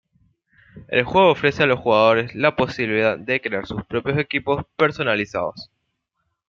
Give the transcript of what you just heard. El juego ofrece a los jugadores la posibilidad de crear sus propios equipos personalizados.